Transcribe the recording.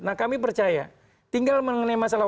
nah kami percaya tinggal mengenai masalah